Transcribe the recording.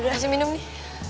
udah rasa minum nih